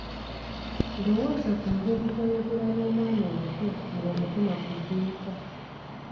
Lowooza ku ngeri ng’oyogera n’omwana omuto ng’omutuma ku dduuka.